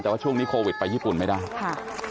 แต่ว่าช่วงนี้โควิดไปญี่ปุ่นไม่ได้ค่ะ